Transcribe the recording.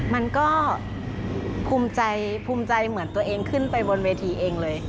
มันก็ภูมิใจภูมิใจเหมือนตัวเองขึ้นไปบนเวทีเองเลย